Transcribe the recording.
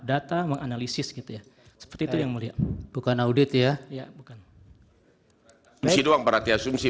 data menganalisis gitu ya seperti itu yang mulia bukan audit ya ya bukan isi doang berarti asumsi